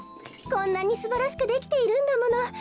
こんなにすばらしくできているんだもの。